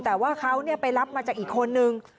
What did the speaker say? แต่ว่าเขาไปรับมาจากอีกคนนึง